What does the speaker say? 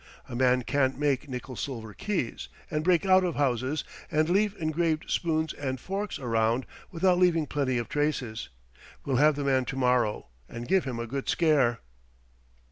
A man can't make nickel silver keys, and break out of houses and leave engraved spoons and forks around without leaving plenty of traces. We'll have the man to morrow, and give him a good scare."